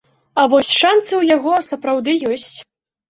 А вось шанцы ў яго сапраўды ёсць.